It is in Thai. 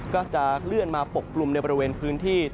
ก็จะเลื่อนมาปกกลุ่มในบริเวณพื้นที่